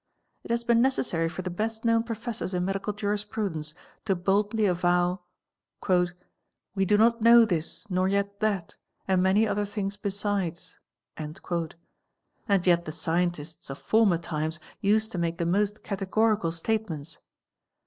has been necessary for the best known professors in medical jurisprudence to boldly avow :—'' We do not know this, nor yet that, and many other things besides '"'—and yet the scientists of former times used to make _ most categorical statements.